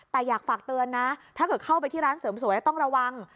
แต่อยากฝากเตือนนะถ้าเกิดเข้าไปที่ร้านเสริมสวยต้องระวัง